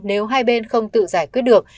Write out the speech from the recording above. nếu hai bên không tự giải quyết được